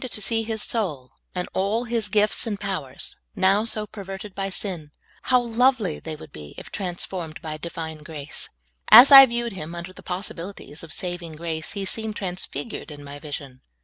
to see his soul and all his gifts and powers, now so pen erted by sin — how lovely they would be if trans formed by Divine grace ! As I viewed him under the possibilities of vSaving grace, he seemed transfigured in my vision.